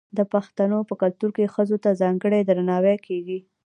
د پښتنو په کلتور کې ښځو ته ځانګړی درناوی کیږي.